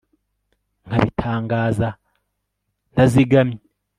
nkabitangaza ntazigamye